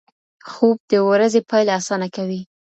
خوب د ورځې پیل اسانه کوي.